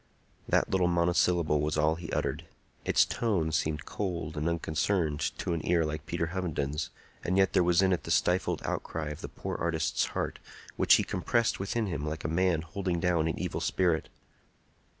That little monosyllable was all he uttered; its tone seemed cold and unconcerned to an ear like Peter Hovenden's; and yet there was in it the stifled outcry of the poor artist's heart, which he compressed within him like a man holding down an evil spirit.